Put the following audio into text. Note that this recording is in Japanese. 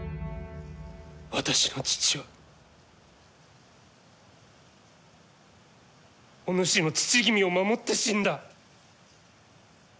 私の父はお主の父君を守って死んだ。